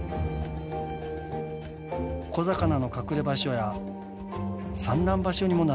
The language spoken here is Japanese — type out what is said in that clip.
小魚の隠れ場所や産卵場所にもなるんです。